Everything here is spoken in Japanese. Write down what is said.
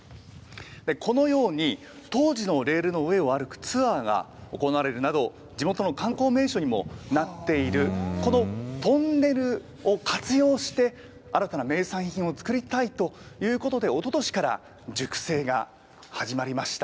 このように、当時のレールの上を歩くツアーが行われるなど、地元の観光名所にもなっている、このトンネルを活用して、新たな名産品を作りたいということで、おととしから熟成が始まりました。